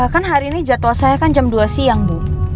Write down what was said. kan hari ini jadwal saya kan jam dua siang bu